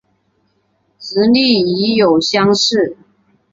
直隶乙酉乡试。